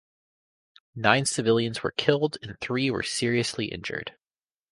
Nine civilians were killed and three were seriously injured.